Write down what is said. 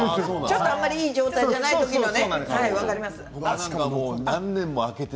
あんまりいい状態じゃない時のね。